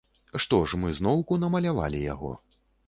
Што ж, мы зноўку намалявалі яго.